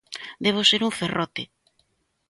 Debo ser un ferrote.